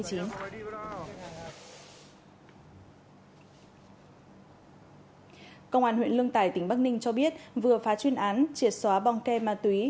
công an huyện lương tài tỉnh bắc ninh cho biết vừa phá chuyên án triệt xóa băng ke ma túy